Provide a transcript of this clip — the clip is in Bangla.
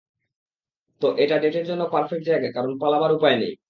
তো, এটা ডেটের জন্য পার্ফেক্ট জায়গা কারন পালাবার উপায় নেই।